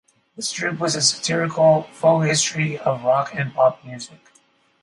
The strip was a satirical faux-history of rock and pop music.